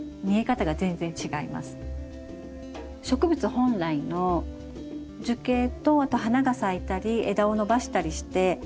植物本来の樹形とあと花が咲いたり枝を伸ばしたりして。